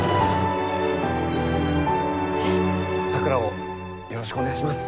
咲良をよろしくお願いします。